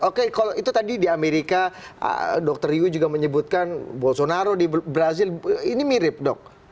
oke kalau itu tadi di amerika dr ryu juga menyebutkan bolsonaro di brazil ini mirip dok